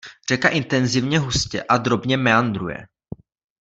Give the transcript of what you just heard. Řeka intenzívně hustě a drobně meandruje.